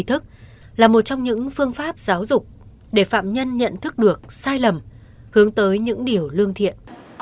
nhận thức là một trong những phương pháp giáo dục để phạm nhân nhận thức được sai lầm hướng tới những điều lương thiện